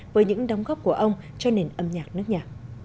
với những đóng góp của ông cho nền âm nhạc nước nhà